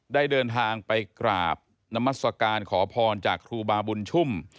ได้เดินทางไปกราบนามัศกาลขอพรจากครูบาบุญชุ่ม